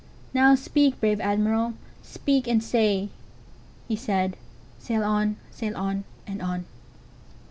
Now speak, brave Admiral, speak and say"—He said: "Sail on! sail on! and on!"